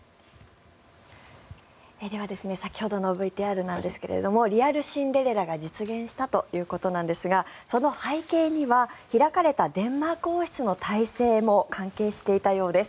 では先ほどのＶＴＲなんですがリアルシンデレラが実現したということですがその背景には開かれたデンマーク王室の体制も関係していたそうです。